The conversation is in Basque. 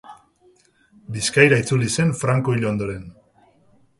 Bizkaira itzuli zen Franco hil ondoren.